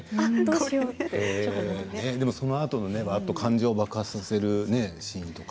そのあと感情を爆発させるシーンとか。